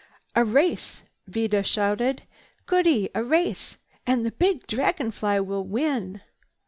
"A race!" Vida shouted. "Goody! A race! And the big Dragon Fly will win!"